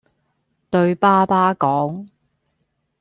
對爸爸講